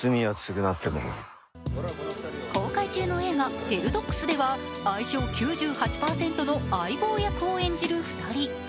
公開中の映画「ヘルドッグス」では相性９８％の相棒役を演じる２人。